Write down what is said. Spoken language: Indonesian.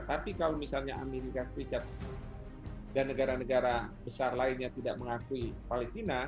tapi kalau misalnya amerika serikat dan negara negara besar lainnya tidak mengakui palestina